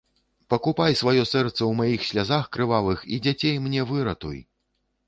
Пакупай сваё сэрца ў маіх слязах крывавых і дзяцей мне выратуй!